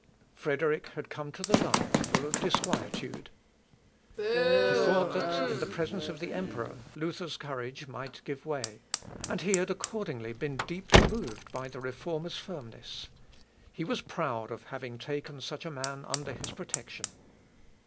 Frederick had come to the Diet full of disquietude. He thought that, in presence of the emperor, Luther's courage might give way, and he had accordingly been deeply moved by the Reformer's firmness. He was proud of having taken such a man under his protection.